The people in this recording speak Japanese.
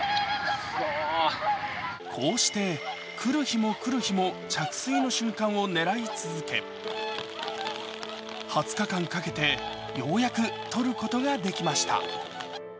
こうして来る日も来る日も着水の瞬間を狙い続け２０日間かけてようやく撮ることができました。